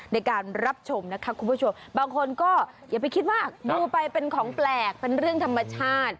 ในการรับชมนะคะคุณผู้ชมบางคนก็อย่าไปคิดมากดูไปเป็นของแปลกเป็นเรื่องธรรมชาติ